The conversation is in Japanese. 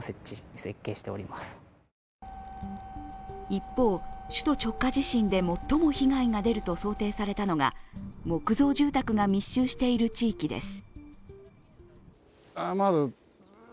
一方、首都直下地震で最も被害が出ると想定されたのが木造住宅が密集している地域です。